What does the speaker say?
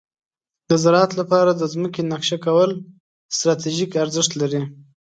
د زراعت لپاره د ځمکې نقشه کول ستراتیژیک ارزښت لري.